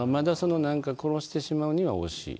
なんかその、殺してしまうには惜しい。